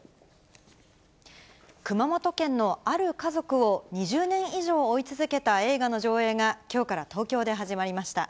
熊本県のある家族を、２０年以上追い続けた映画の上映が、きょうから東京で始まりました。